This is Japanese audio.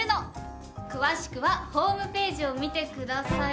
詳しくはホームページを見てください。